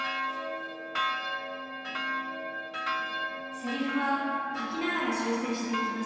セリフは描きながら修正していきます。